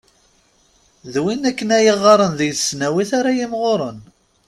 D win akken i yeɣɣaren deg tesnawit ara yimɣuren.